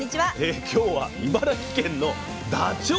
今日は茨城県のダチョウ。